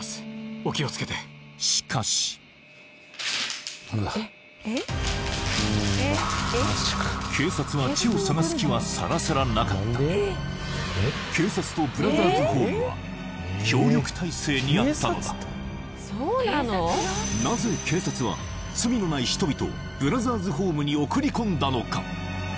お気をつけてしかし警察はチェを捜す気はさらさらなかった警察とブラザーズホームは協力体制にあったのだなぜ警察は罪のない人々をブラザーズホームに送り込んだのか？